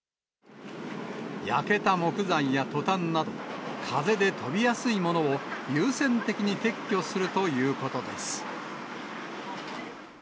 焼けた木材やトタンなど、風で飛びやすいものを優先的に撤去するということです。